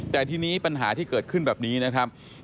แต่ทีนี้ปัญหาที่เกิดขึ้นแบบนี้นะครับ